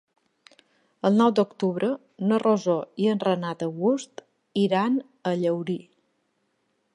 El nou d'octubre na Rosó i en Renat August iran a Llaurí.